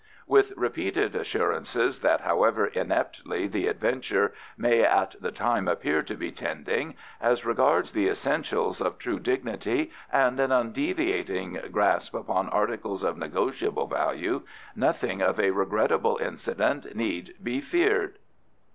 With repeated assurances that however ineptly the adventure may at the time appear to be tending, as regards the essentials of true dignity and an undeviating grasp upon articles of negotiable value, nothing of a regrettable incident need be feared.